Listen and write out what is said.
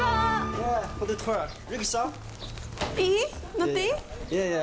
乗っていい？